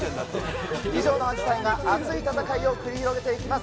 以上の８体が熱い戦いを繰り広げていきます。